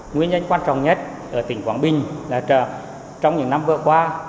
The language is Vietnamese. nguyên nhân quan trọng nhất ở tỉnh quảng bình là trong những năm vừa qua